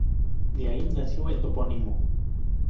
De ahí nació el topónimo.